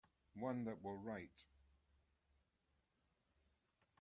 One that will write.